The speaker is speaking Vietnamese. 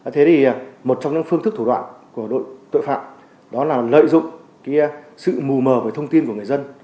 thế thì một trong những phương thức thủ đoạn của tội phạm đó là lợi dụng sự mù mờ về thông tin của người dân